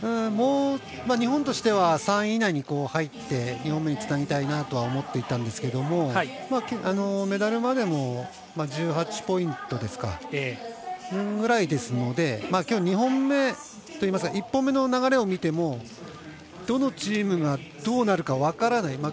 日本としては３位以内に入って２本目につなぎたいなとは思っていたんですけどもメダルまでも１８ポイント分ぐらいですのできょう２本目といいますか１本目の流れを見てもどのチームがどうなるか分からない。